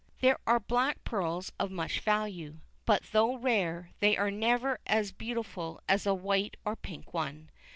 There are black pearls of much value, but though rare, they are never half as beautiful as a white or pink one.